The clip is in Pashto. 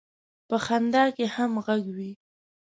په خندا کې هم غږ وي.